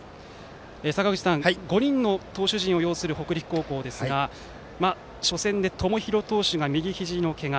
坂口さん５人の投手陣を擁する北陸高校ですが初戦で友廣投手が、右ひじのけが。